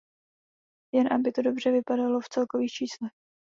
Jen aby to dobře vypadalo v celkových číslech.